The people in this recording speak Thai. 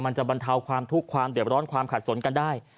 มันจะบรรเทาความทุกข์ความเดือบร้อนความขัดสนกันได้